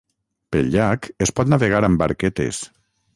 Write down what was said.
Pel llac es pot navegar amb barquetes.